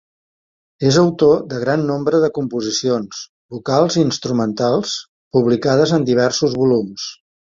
És autor de gran nombre de composicions, vocals i instrumentals, publicades en diversos volums.